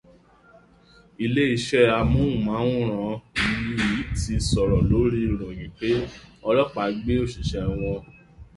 Ilé iṣẹ́ amóhùnmáwòrán yìí ti sọ̀rọ̀ lórí ìròyìn pé ọlọ́pàá gbé òṣìṣẹ́ wọn